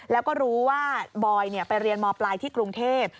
แล้วก็รู้ว่าบอยไปเรียนมปลายที่กรุงเทพ